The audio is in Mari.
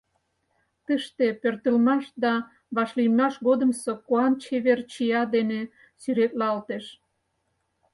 Тыште пӧртылмаш да вашлиймаш годымсо куан чевер чия дене сӱретлалтеш